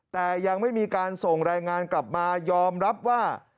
แต่ยังไม่มีการส่งรายงานกลับมายอมรับว่า